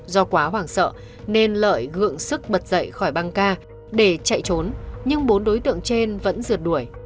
do quá hoảng sợ nên lợi gượng sức bật dậy khỏi băng ca để chạy trốn nhưng bốn đối tượng trên vẫn rượt đuổi